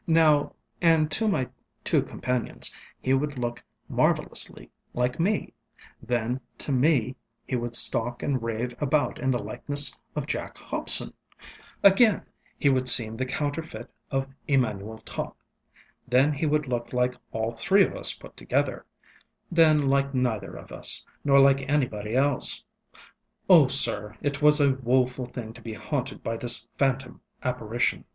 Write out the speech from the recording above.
Now, and to my two companions, he would look marvellously like me; then, to me, he would stalk and rave about in the likeness of Jack Hobson; again, he would seem the counterfeit of Emmanuel Topp; then he would look like all the three of us put together; then like neither of us, nor like anybody else. Oh, sir, it was a woful thing to be haunted by this phantom apparition.